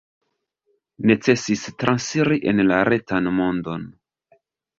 Necesis transiri en la retan mondon.